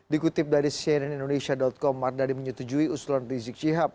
dikutip dari cnn indonesia com mardani menyetujui usulan rizik syihab